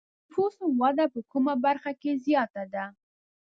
د نفوسو وده په کومه برخه کې زیاته ده؟